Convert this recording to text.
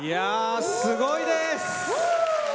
すごいです！